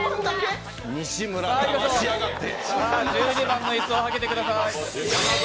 １２番の椅子をはけてください。